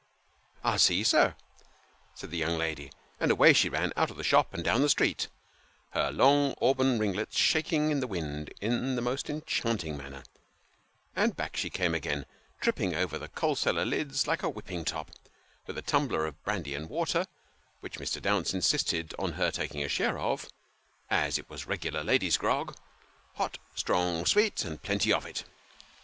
" I'll see, sir," said the young lady : and away she ran out of the shop, and down the street, her long auburn ringlets shaking in the wind in the most enchanting manner ; and back she came again, tripping over the coal cellar lids like a whipping top, with a tumbler of brandy and water, which Mr. John Dounce insisted on her taking a share of, as it was regular ladies' grog hot, strong, sweet, and plenty of it.